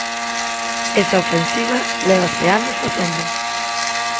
Esa ofensiva lévase anos facendo.